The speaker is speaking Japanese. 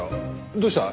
どうした？